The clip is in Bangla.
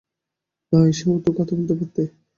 না এসেও তো কথা বলতে পারতে।